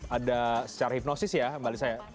ada secara hipnosis ya mbak lisa ya